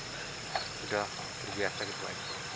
sudah terbiasa gitu pak